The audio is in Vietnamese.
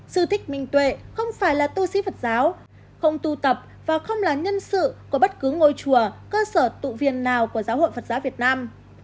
sư thích minh tuệ không phải là tu sĩ phật giáo không tu tập và không là nhân sự của bất cứ ngôi chùa cơ sở tụ viên nào của giáo hội phật giáo việt nam